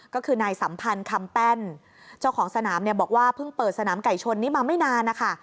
ก็คือนายสัมพันธ์คำแป้นเจ้าของสนามเนี่ยบอกว่าเพิ่งเปิดสนามไก่ชนนี้มาไม่นานนะคะ